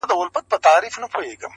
زندان به نه وي بندیوان به نه وي؛